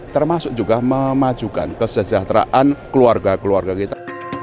termasuk juga memajukan kesejahteraan keluarga keluarga kita